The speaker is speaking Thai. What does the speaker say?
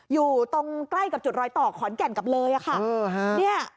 อยู่ตรงใกล้กับจุดรอยต่อขอนแก่นกับเลยค่ะ